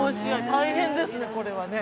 大変ですねこれはね